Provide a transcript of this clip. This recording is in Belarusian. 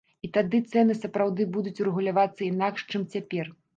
І тады цэны сапраўды будуць рэгулявацца інакш, чым цяпер.